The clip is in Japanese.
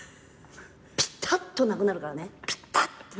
ピタッとなくなるからねピタッと。